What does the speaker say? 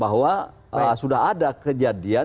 bahwa sudah ada kejadian